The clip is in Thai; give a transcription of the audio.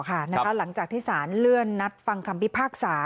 หลังจากที่สารเลื่อนนัดฟังคำพิพากษา